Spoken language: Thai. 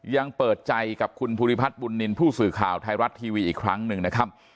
ยังเปิดใจกับคุณภูริพัฒน์บุญนินทร์ผู้สื่อข่าวไทยรัฐทีวีอีกครั้งหนึ่งนะครับ